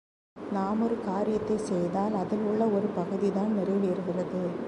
நாம் ஒரு காரியத்தைச் செய்தால் அதில் உள்ள ஒரு பகுதி தான் நிறைவேறுகிறது.